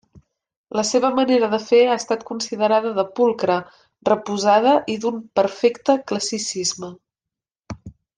La seva manera de fer ha estat considerada de pulcra, reposada i d’un perfecte classicisme.